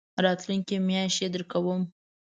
راتلونکې میاشت يي درکوم